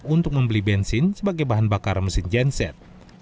untuk membeli bensin sebagai bahan bakar mesin genset